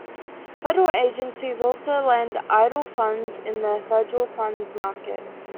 Federal agencies also lend idle funds in the federal funds market.